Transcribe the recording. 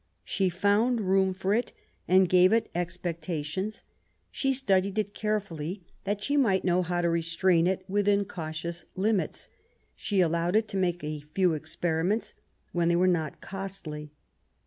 She found room for it, and gave it expectations; she studied it carefully, that she might know how to restrain it within cautious limits. She allowed it to make a few experiments, when they were not costly.